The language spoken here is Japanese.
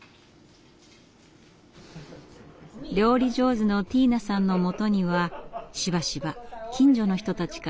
料理上手のティーナさんのもとにはしばしば近所の人たちからお裾分けが届きます。